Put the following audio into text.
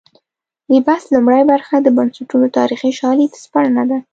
د بحث لومړۍ برخه د بنسټونو تاریخي شالید سپړنه ده.